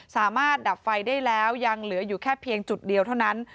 สามารถดับไฟได้แล้วยังเหลืออยู่แค่เพียงจุดเดียวเท่านั้น